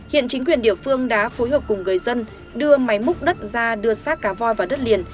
hiện chính quyền địa phương đã phối hợp cùng người dân đưa máy múc đất ra đưa sát cá voi vào đất liền